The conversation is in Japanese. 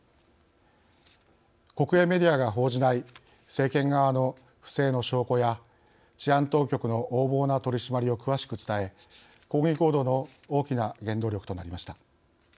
国営メディアが報じない政権側の不正の証拠や治安当局の横暴な取締りを詳しく伝え抗議行動の大きな原動力となりました。